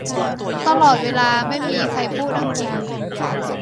ตลอดเวลาไม่มีใครพูดอังกฤษ